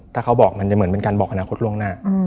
ถ้าเขาบอกมันจะเหมือนเป็นการบอกอนาคตล่วงหน้า